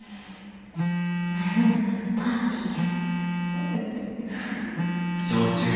真夜中のパーティーや。